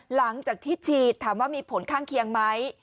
หลังจากที่ฉีดถามว่ามีผลข้างเคียงไหม